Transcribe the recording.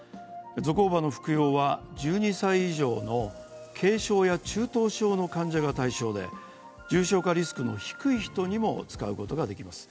ゾコーバの服用は１２歳以上の軽症や中等症の患者が対象で重症化リスクの低い人にも使うことができます。